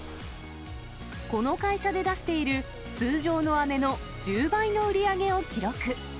この会社で出している通常のあめの１０倍の売り上げを記録。